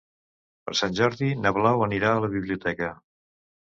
Per Sant Jordi na Blau anirà a la biblioteca.